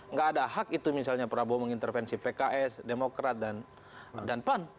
nggak ada hak itu misalnya prabowo mengintervensi pks demokrat dan pan